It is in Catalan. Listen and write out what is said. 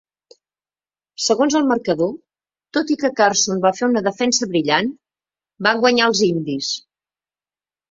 Segons el marcador, tot i que Carson va fer una defensa brillant, van guanyar els indis.